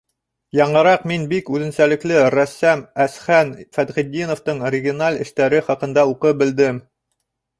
Яңыраҡ мин бик үҙенсәлекле рәссам Әсхән Фәтхетдиновтың оригиналь эштәре хаҡында уҡып белдем.